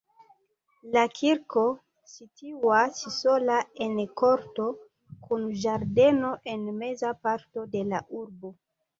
La kirko situas sola en korto kun ĝardeno en meza parto de la urbo.